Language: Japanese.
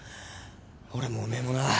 俺もおめえもな。